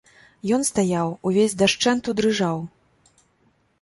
Ён стаяў, увесь дашчэнту дрыжаў.